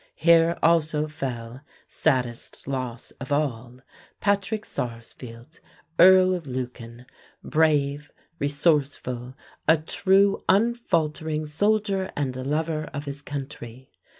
Here also fell saddest loss of all Patrick Sarsfield, Earl of Lucan, brave, resourceful, a true unfaltering soldier and lover of his country.